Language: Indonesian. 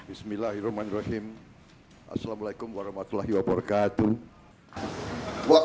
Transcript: bismillahirrahmanirrahim assalamualaikum warahmatullahi wabarakatuh